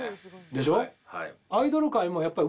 でしょ？